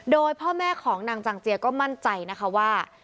โดยพ่อแม่ของนางจังเจียก็มั่นใจนะคะว่า